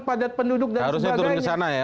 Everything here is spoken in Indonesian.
padat penduduk dan sebagainya harusnya turun kesana ya